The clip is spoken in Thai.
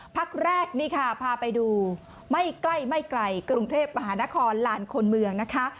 พักแรกนี่ค่ะพาไปดูไม่ใกล้ไม่ไกลกรุงเทพมหานครลานคนเมืองนะคะ